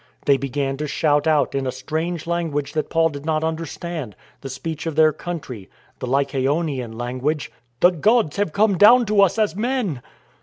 They began to shout out in strange language that Paul did not understand — the speech of their country, the Lycaonian language :" The gods have come down to us as men."